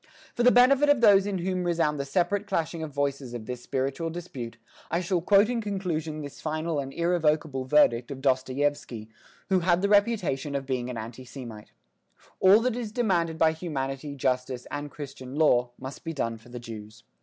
For the benefit of those in whom resound the separate clashing voices of this spiritual dispute, I shall quote in conclusion this final and irrevocable verdict of Dostoyevsky, who had the reputation of being an anti Semite: "All that is demanded by humanity, justice and Christian law, must be done for the Jews.